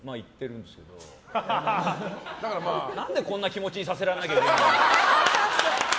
何でこんな気持ちにさせられなきゃいけないんだよ。